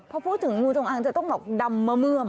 พอพูดถึงงูจงอางจะต้องแบบดำเมื่อม